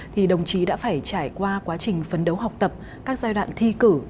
thì đồng chí đã phải trải qua quá trình phấn đấu học tập các giai đoạn thi cử